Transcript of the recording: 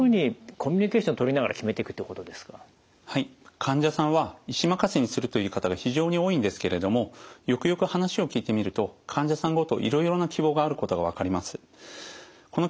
患者さんは医師任せにするという方が非常に多いんですけれどもよくよく話を聞いてみると患者さんごといろいろな希望があることが分かります。